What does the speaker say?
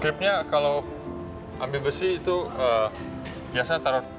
kripnya kalau ambil besi itu biasanya taruh ke atas